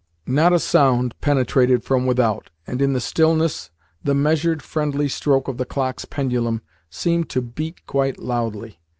Not a sound penetrated from without, and in the stillness the measured, friendly stroke of the clock's pendulum seemed to beat quite loudly.